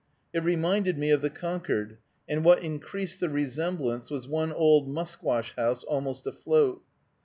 It reminded me of the Concord; and what increased the resemblance was one old musquash house almost afloat.